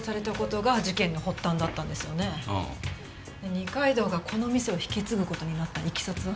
二階堂がこの店を引き継ぐ事になったいきさつは？